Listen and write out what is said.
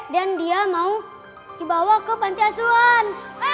dan dia mau dibawa ke pantai asuhan